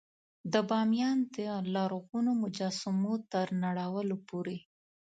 د بامیان د لرغونو مجسمو تر نړولو پورې.